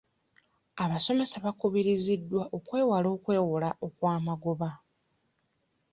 Abasomesa bakubirizibwa okwewala okwewola okwamagoba.